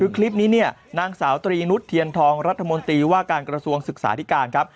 คลิปนี้เนี่ยนางสาวตรีนุษย์เทียนทองรัฐมนตรีว่าการกระทรวงศึกษาธิการครับ